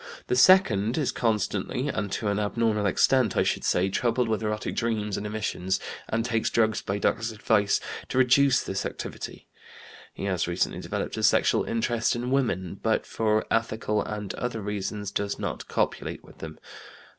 The second is constantly and to an abnormal extent (I should say) troubled with erotic dreams and emissions, and takes drugs, by doctor's advice, to reduce this activity. He has recently developed a sexual interest in women, but for ethical and other reasons does not copulate with them.